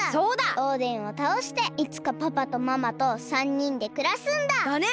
オーデンをたおしていつかパパとママと３にんでくらすんだ！だね！